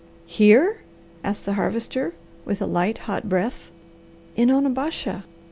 "Here?" asked the Harvester with a light, hot breath. "In Onabasha!